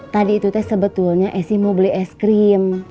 tadi itu teh sebetulnya essi mau beli es krim